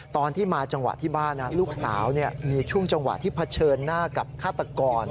ตอนที่มาจังหวะที่บ้านลูกสาวมีช่วงจังหวะที่เผชิญหน้ากับฆาตกร